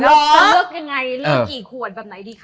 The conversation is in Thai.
แล้วเขาเลือกยังไงเลือกกี่ขวดแบบไหนดีคะ